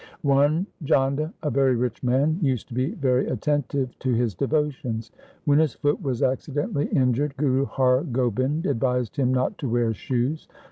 One Jhanda, a very rich man, used to be very attentive to his devotions. When his foot was accidentally injured, Guru Har Gobind advised him not to wear shoes.